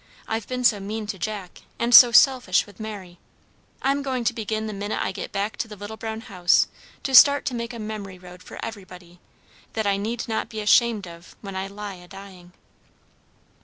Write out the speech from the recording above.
I've been so mean to Jack and so selfish with Mary. I'm going to begin the minute I get back to the little brown house to start to make a memory road for everybody, that I need not be ashamed of when I lie a dying."